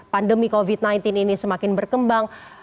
pandemi covid sembilan belas ini semakin berkembang